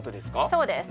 そうです。